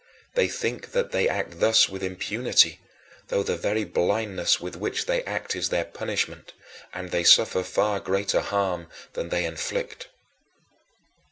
They think that they act thus with impunity, though the very blindness with which they act is their punishment, and they suffer far greater harm than they inflict.